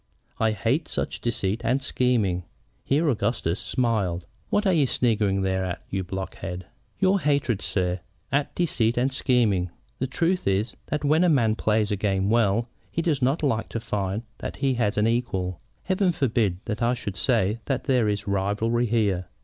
I hate such deceit and scheming." Here Augustus smiled. "What are you sniggering there at, you blockhead?" "Your hatred, sir, at deceit and scheming. The truth is that when a man plays a game well, he does not like to find that he has any equal. Heaven forbid that I should say that there is rivalry here.